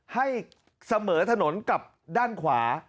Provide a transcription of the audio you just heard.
ให้เสมอถนนกับด้านขวา